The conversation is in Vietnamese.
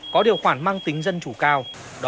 có điều khoản mang tính dân chủ cao